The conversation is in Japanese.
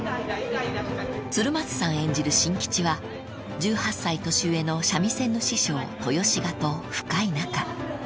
［鶴松さん演じる新吉は１８歳年上の三味線の師匠豊志賀と深い仲］